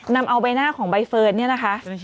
นำเอาใบหน้าของใบเฟิร์นเนี่ยนะคะ